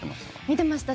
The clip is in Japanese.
見てました。